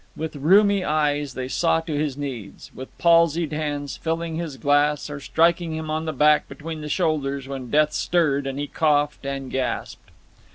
With rheumy eyes they saw to his needs, with palsied hands filling his glass or striking him on the back between the shoulders when death stirred and he coughed and gasped.